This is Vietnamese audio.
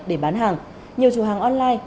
để bán hàng nhiều chủ hàng online